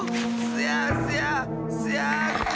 すやすや！